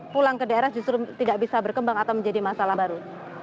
pulang ke daerah justru tidak bisa berkembang atau menjadi masalah baru